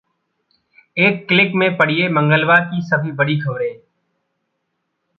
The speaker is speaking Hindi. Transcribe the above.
एक क्लिक में पढ़िए मंगलवार की सभी बड़ी खबरें